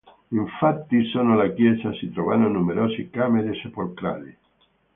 Infatti sotto la chiesa si trovano numerose camere sepolcrali.